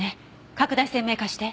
拡大鮮明化して。